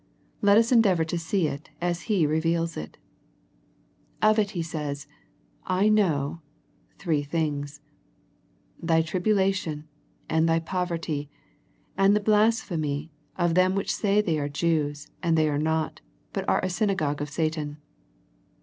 Let us endeavour to see it as He reveals it. Of it he savs, " I know "— three things. " Thv tribulation, and thy ooverty, and the blasphemy of them which say they are Jews, and they are not, but are a synagogue of Satan."